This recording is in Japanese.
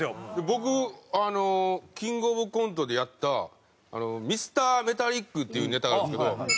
僕あのキングオブコントでやった「ミスターメタリック」っていうネタがあるんですけど。